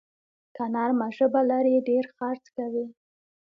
که نرمه ژبه لرې، ډېر خرڅ کوې.